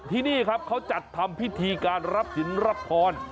ที่นี่ครับเขาจัดทำพิธีการรับสินรับพร